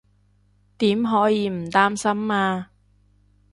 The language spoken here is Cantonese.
點可以唔擔心啊